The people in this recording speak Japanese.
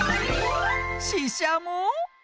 ししゃも？